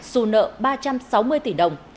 xù nợ ba trăm sáu mươi tỷ đồng